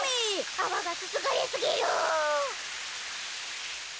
あわがすすがれすぎる。